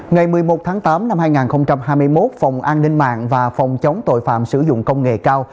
ngày một mươi một tháng tám năm hai nghìn hai mươi một phòng an ninh mạng và phòng chống tội phạm sử dụng công nghệ cao